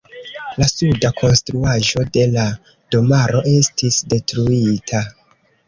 La suda konstruaĵo de la domaro estis detruita.